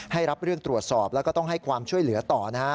รับเรื่องตรวจสอบแล้วก็ต้องให้ความช่วยเหลือต่อนะฮะ